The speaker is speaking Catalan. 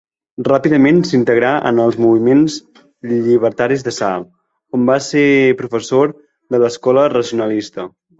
Ràpidament s'integrà en els moviments llibertaris de Salt, on va ser professor de l'Escola Racionalista.